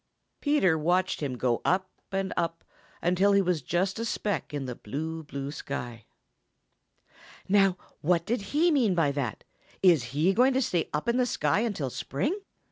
Peter watched him go up and up until he was just a speck in the blue, blue sky. "Now what did he mean by that? Is he going to stay up in the sky until spring?"